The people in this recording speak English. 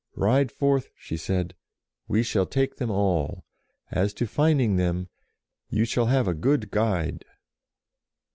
"Ride forth," she said; "we shall take them all. As to finding them, you shall have a good guide